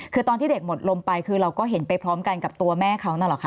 คือตอนที่เด็กหมดลมไปคือเราก็เห็นไปพร้อมกันกับตัวแม่เขานั่นแหละค่ะ